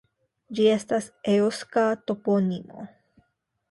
Ĝi estas eŭska toponimo.